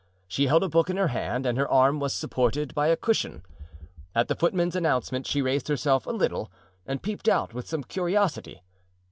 She held a book in her hand and her arm was supported by a cushion. At the footman's announcement she raised herself a little and peeped out, with some curiosity.